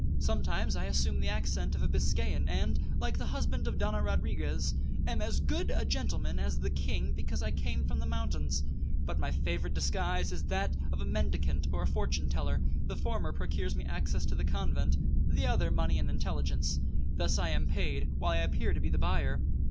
Sometimes I assume the accent of a Biscayan, and, like the husband of Donna Rodriguez, 'am as good a gentleman as the king, because I came from the mountains.' But my favourite disguise is that of a mendicant or a fortune teller,—the former procures me access to the convent, the other money and intelligence. Thus I am paid, while I appear to be the buyer.